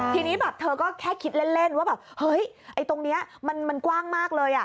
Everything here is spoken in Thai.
ทีนี้แบบเธอก็แค่คิดเล่นว่าแบบเฮ้ยไอ้ตรงนี้มันกว้างมากเลย